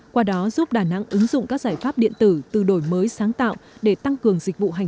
qua đó giúp đà nẵng ứng dụng các giải pháp điện tử từ đổi mới sáng tạo để tăng cường dịch vụ hành